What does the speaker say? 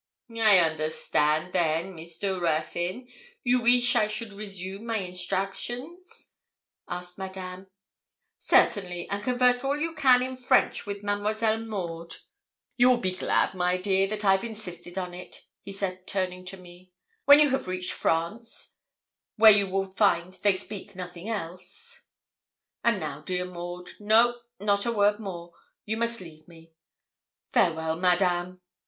'I understand then, Mr. Ruthyn, you weesh I should resume my instructions?' asked Madame. 'Certainly; and converse all you can in French with Mademoiselle Maud. You will be glad, my dear, that I've insisted on it,' he said, turning to me, 'when you have reached France, where you will find they speak nothing else. And now, dear Maud no, not a word more you must leave me. Farewell, Madame!'